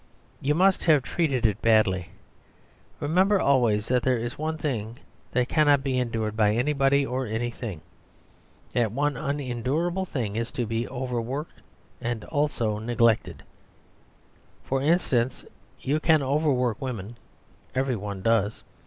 'You must have treated it badly. Remember always that there is one thing that cannot be endured by anybody or anything. That one unendurable thing is to be overworked and also neglected. For instance, you can overwork women everybody does.